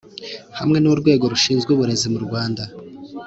Hamwe n’Urwego rushinzwe uburezi mu Rwanda